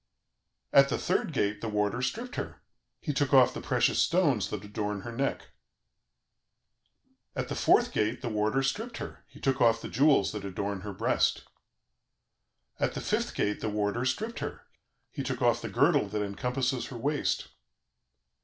"At the third gate, the warder stripped her; he took off the precious stones that adorn her neck. "At the fourth gate, the warder stripped her; he took off the jewels that adorn her breast. "At the fifth gate, the warder stripped her; he took off the girdle that encompasses her waist.